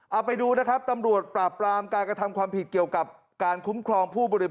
เอาไปดูนะครับตำรวจปรับบรามการกระทำความผิดเกี่ยวกับ